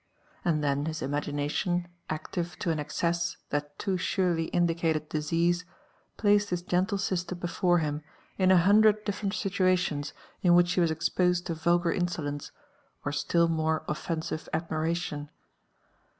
And then his imagination, active to an excess that too surely indi cated disease, placed his gentle sister before him in a hundred diflerent situations in which she was exposed to vulgar insolence, or still more offensive admiration.